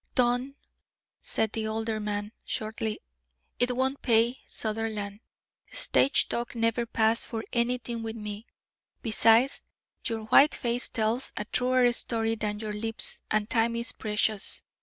"Don't," said the older man, shortly. "It won't pay, Sutherland. Stage talk never passed for anything with me. Besides, your white face tells a truer story than your lips, and time is precious.